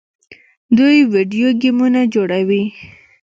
دوی ویډیو ګیمونه جوړوي.